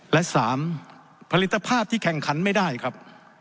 และ๓ผลิตภาพที่แข่งขันไม่ได้ครับ